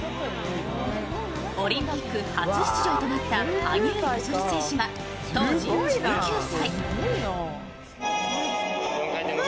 オリンピック初出場となった羽生結弦選手は当時１９歳。